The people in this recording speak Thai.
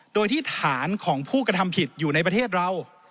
โดยที่ฐานของผู้กระทำผิดอยู่ในประเทศเรา